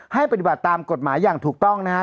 ปฏิบัติตามกฎหมายอย่างถูกต้องนะครับ